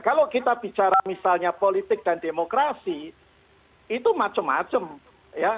kalau kita bicara misalnya politik dan demokrasi itu macam macam ya